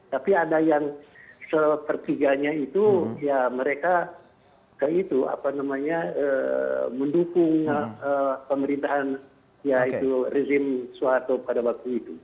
tapi ada yang sepertiganya itu ya mereka itu apa namanya mendukung pemerintahan ya itu rezim soeharto pada waktu itu